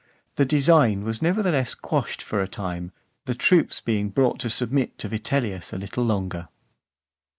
The design was nevertheless quashed for a time, the troops being brought to submit to Vitellius a little longer.